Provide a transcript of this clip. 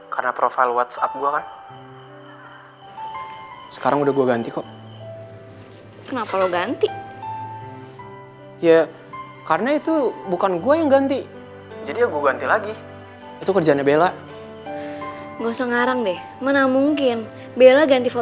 karena profesi gue tuh gak bisa marah sama lo